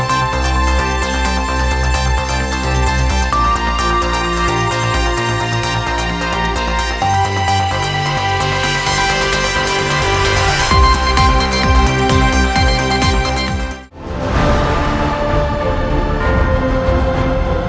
hẹn gặp lại